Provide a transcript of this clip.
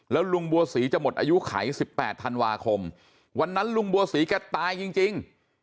แล้วลุงบัวสีจะหมดอายุไข่สิบแปดธันวาคมวันนั้นลุงบัวสีก็ตายจริงจริง